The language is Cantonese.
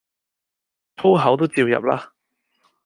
粗口都照入啦